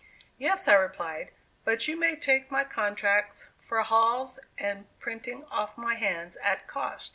"Yes," I replied; "but you may take my contracts for halls and printing off my hands at cost."